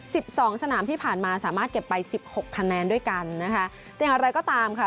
สิบสองสนามที่ผ่านมาสามารถเก็บไปสิบหกคะแนนด้วยกันนะคะแต่อย่างไรก็ตามค่ะ